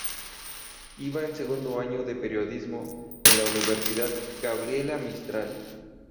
Iba en segundo año de periodismo en la Universidad Gabriela Mistral.